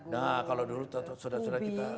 nah kalau dulu sudah sudah kita